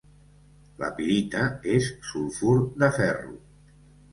La pirita és sulfur de ferro.